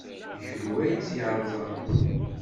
D kenwi ay tt-yerẓan?